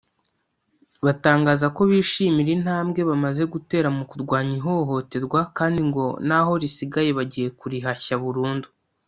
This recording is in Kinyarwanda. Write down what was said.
batangaza ko bishimira intambwe bamaze gutera mu kurwanya ihohoterwa kandi ngo n’aho risigaye bagiye kurihashya burundu